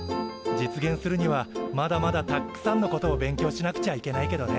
実現するにはまだまだたっくさんのことを勉強しなくちゃいけないけどね。